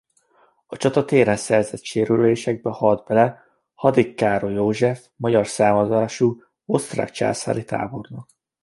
A csatatéren szerzett sérülésébe halt bele Hadik Károly József magyar származású osztrák császári tábornok.